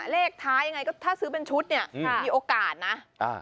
เลขท้ายยังไงก็ถ้าซื้อเป็นชุดเนี่ยมีโอกาสนะ